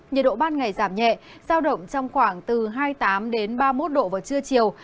nhiệt độ ban ngày giảm nhẹ giao động trong khoảng từ hai mươi tám ba mươi một độ vào trưa chiều